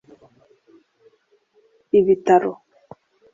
Ibitaro